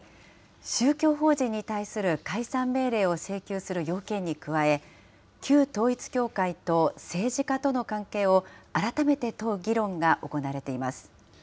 宗教法人に対する解散命令を請求する要件に加え、旧統一教会と政治家との関係を改めて問う議論が行われています。